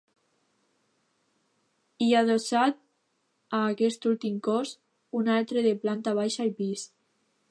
I adossat a aquest últim cos, un altre de planta baixa i pis.